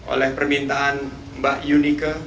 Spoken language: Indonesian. oleh permintaan mbak yunike